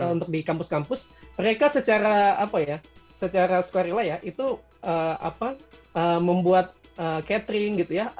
untuk di kampus kampus mereka secara apa ya secara squarella ya itu membuat catering gitu ya